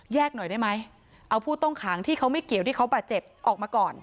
หน่อยได้ไหมเอาผู้ต้องขังที่เขาไม่เกี่ยวที่เขาบาดเจ็บออกมาก่อน